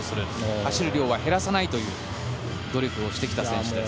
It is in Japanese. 走る量は減らさないという努力をしてきた選手です。